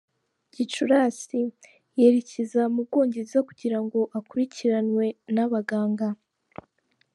Gicurasi: Yerekeza mu Bwongereza kugira ngo akurikiranwe n’ abaganga.